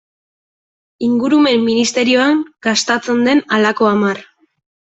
Ingurumen ministerioan gastatzen den halako hamar.